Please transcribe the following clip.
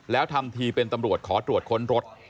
แล้วทำทีเป็นตำรวจขอตรวจค้นรถ